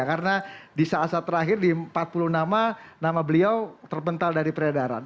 karena di saat saat terakhir di empat puluh nama nama beliau terbental dari peredaran